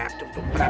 pecuk dung prap